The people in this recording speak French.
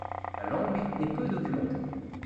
La langue est peu documentée.